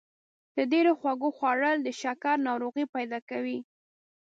د ډېرو خوږو خوړل د شکر ناروغي پیدا کوي.